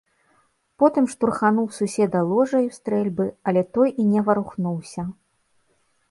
Потым штурхануў суседа ложаю стрэльбы, але той і не варухнуўся.